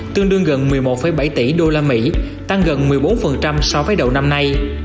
tương đương gần một mươi một bảy tỷ usd tăng gần một mươi bốn so với đầu năm nay